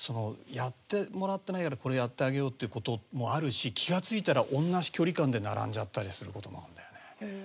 やってもらってないからこれやってあげようっていう事もあるし気が付いたら同じ距離感で並んじゃったりする事もあるんだよね。